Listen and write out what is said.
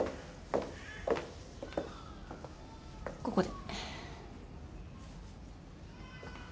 ここで。